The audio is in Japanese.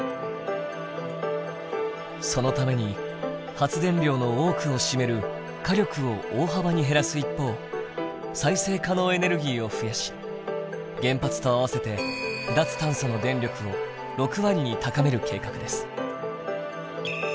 そのために発電量の多くを占める火力を大幅に減らす一方再生可能エネルギーを増やし原発と合わせて脱炭素の電力を６割に高める計画です。